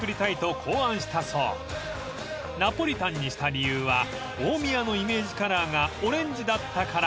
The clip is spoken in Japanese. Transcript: ［ナポリタンにした理由は大宮のイメージカラーがオレンジだったから］